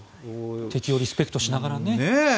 敵をリスペクトしながらね。